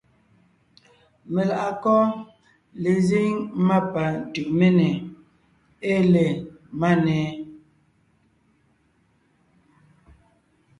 Meláʼakɔ́ lezíŋ má pa Tʉʼméne ée le Máne?